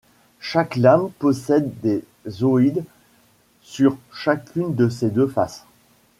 Chaque lame possèdent des zoïdes sur chacune de ses deux faces.